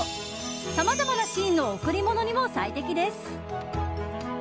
さまざまなシーンの贈り物にも最適です。